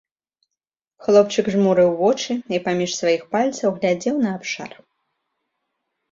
Хлопчык жмурыў вочы і паміж сваіх пальцаў глядзеў на абшар.